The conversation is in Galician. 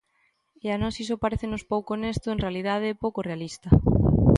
E a nós iso parécenos pouco honesto en realidade e pouco realista.